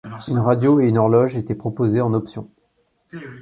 Une radio et une horloge étaient proposées en option.